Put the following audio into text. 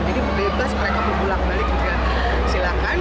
jadi bebas mereka berbulan bulan juga silakan